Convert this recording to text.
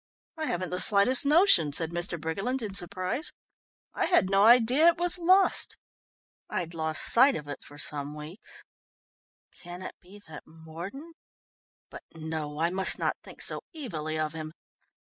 "I haven't the slightest notion," said Mr. Briggerland in surprise. "I had no idea it was lost I'd lost sight of it for some weeks. Can it be that Mordon but no, I must not think so evilly of him."